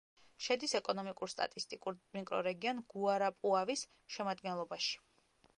შედის ეკონომიკურ-სტატისტიკურ მიკრორეგიონ გუარაპუავის შემადგენლობაში.